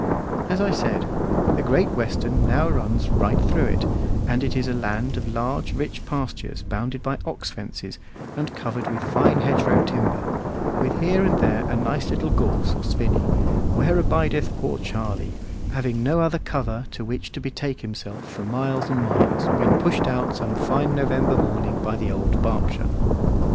As I said, the Great Western now runs right through it, and it is a land of large, rich pastures bounded by ox fences, and covered with fine hedgerow timber, with here and there a nice little gorse or spinney, where abideth poor Charley, having no other cover to which to betake himself for miles and miles, when pushed out some fine November morning by the old Berkshire.